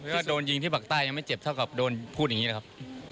ถ้าโดนยิงที่ปากใต้ยังไม่เจ็บเท่ากับโดนพูดอย่างนี้นะครับ